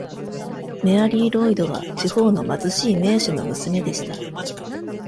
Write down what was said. メアリー・ロイドは地方の貧しい名士の娘でした。